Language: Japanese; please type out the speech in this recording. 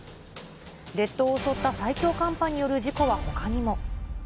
列島を襲った最強寒波による事故はほかにも。